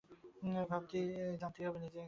জানতেই হবে নিজেকে।